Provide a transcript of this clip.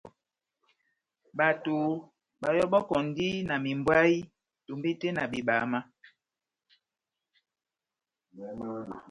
Bato bayɔbɔkɔndi na membwayï tombete na bebama.